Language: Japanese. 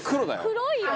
「黒いよ」